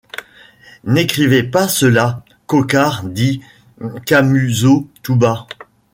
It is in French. N’écrivez pas cela, Coquart, dit Camusot tout bas.